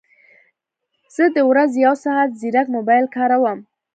زه د ورځې یو ساعت ځیرک موبایل کاروم